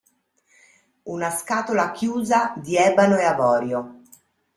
Una scatola chiusa di ebano e avorio.